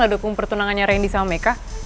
aku udah dihukum pertunangannya randy sama meka